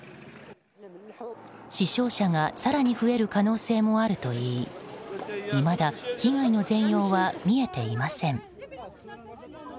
死傷者が更に増える可能性もあるといいいまだ被害の全容は見えていません。